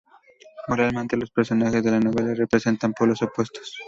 Moralmente los personajes de la novela representan polos opuestos.